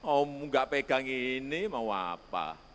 om enggak pegang ini mau apa